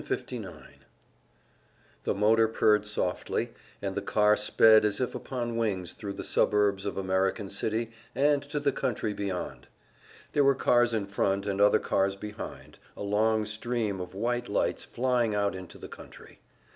Section 59 The motor purred softly, and the car sped as if upon wings thru the suburbs of American City, and to the country beyond. There were cars in front, and other cars behind, a long stream of white lights flying out into the country.